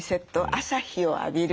朝日を浴びる。